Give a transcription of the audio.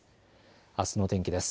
あすの天気です。